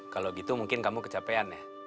kalau gitu mungkin kamu kecapean ya